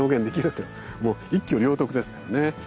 もう一挙両得ですからね。